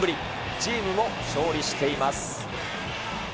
チームも勝利しています。